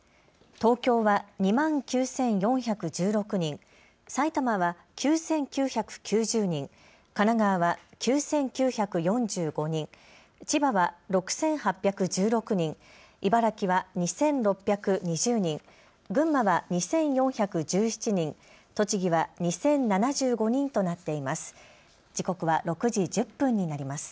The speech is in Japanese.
東京は２万９４１６人、埼玉は９９９０人、神奈川は９９４５人、千葉は６８１６人、茨城は２６２０人、群馬は２４１７人、栃木は２０７５人となっています。